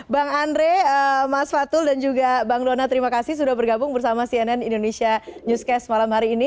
bang andre mas fatul dan juga bang dona terima kasih sudah bergabung bersama cnn indonesia newscast malam hari ini